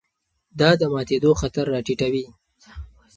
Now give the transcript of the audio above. دا د ماتېدو خطر راټیټوي.